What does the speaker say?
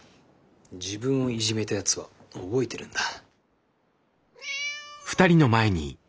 自分をいじめたやつは覚えてるんだ。